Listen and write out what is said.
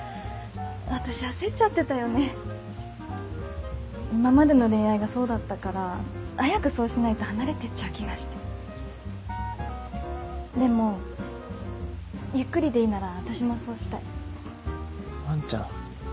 私焦っちゃってた今までの恋愛がそうだったから早くそうしないと離れてっちゃう気がしてでもゆっくりでいいなら私もそうしたアンちゃん